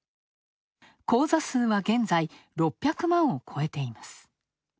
口座数は現在、６００万を超えています。